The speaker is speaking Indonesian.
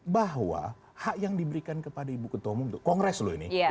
bahwa hak yang diberikan kepada ibu ketua umum itu kongres loh ini